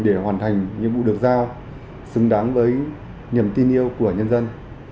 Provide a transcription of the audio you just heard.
để hoàn thành nhiệm vụ được giao xứng đáng với niềm tin yêu của nhân dân